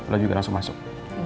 lo juga langsung masuk